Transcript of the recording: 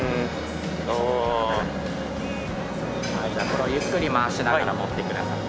これをゆっくり回しながら持ってください。